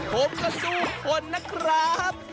ผมก็สู้คนนะครับ